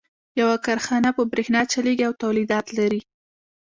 يوه کارخانه په برېښنا چلېږي او توليدات لري.